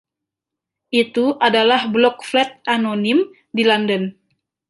Itu adalah blok flat anonim di London